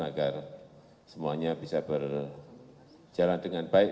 agar semuanya bisa berjalan dengan baik